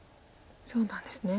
そうなんですね。